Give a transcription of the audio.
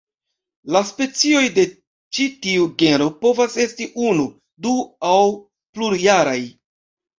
La specioj de ĉi tiu genro povas esti unu, du- aŭ plurjaraj.